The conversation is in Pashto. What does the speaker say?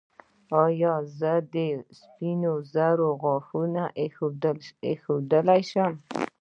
ایا زه د سپینو زرو غاښ ایښودلی شم؟